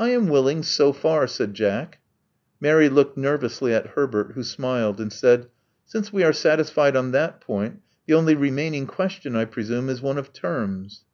•*I am willing, so far," said Jack. Mary looked nervously at Herbert, who smiled, and said, Since we are satisfied on that point, the only remaining question, I presume, is one of terms."